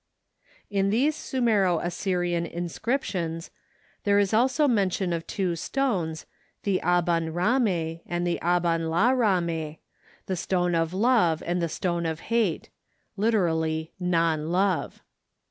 In these Sumero Assyrian inscriptions, there is also mention of two stones, the aban râme and the aban la râme, the "Stone of Love" and the "Stone of Hate" (lit. "non love").